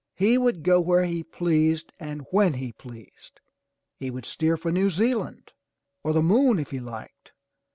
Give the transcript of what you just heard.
He would go where he pleased and when he pleased. He would steer for New Zealand or. the moon if he liked!